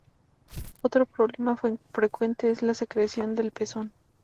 Otro problema frecuente es la secreción del pezón.